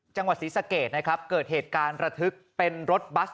จังหวัดศรีสะเกดนะครับเกิดเหตุการณ์ระทึกเป็นรถบัส